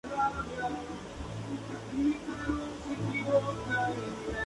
Un hórreo desmontado completa el conjunto.